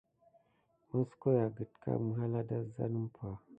Moskoyo a gakeká mihala a da zane umpay.